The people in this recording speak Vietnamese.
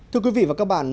thưa quý vị và các bạn